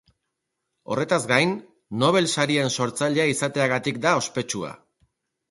Horretaz gain, Nobel sarien sortzailea izateagatik da ospetsua.